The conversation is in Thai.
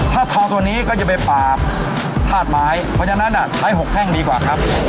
ถ้าทองตัวนี้ก็จะไปปากธาตุไม้เพราะฉะนั้นใช้๖แท่งดีกว่าครับ